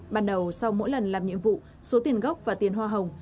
ban đầu sau mỗi lần làm nhiệm vụ số tiền gốc và tiền hoa hồng